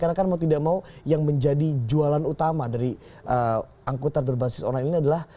karena kan mau tidak mau yang menjadi jualan utama dari angkutan berbasis orang ini adalah